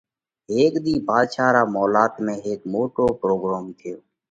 هيڪ ۮِي ڀاڌشا را مولات ۾ هيڪ موٽو پروڳروم ٿيو۔